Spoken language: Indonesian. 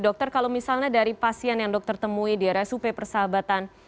dokter kalau misalnya dari pasien yang dokter temui di rsup persahabatan